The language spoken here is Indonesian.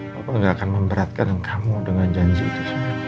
bapak gak akan memberatkan kamu dengan janji itu